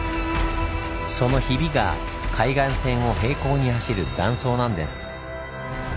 そのヒビが海岸線を並行に走る断層なんです。